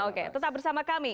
oke tetap bersama kami